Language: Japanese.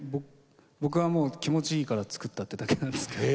僕は、もう気持ちがいいから作ったってだけなんですよ。